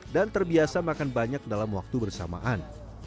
dan terbiasa makan banyak dalam waktu bersamaan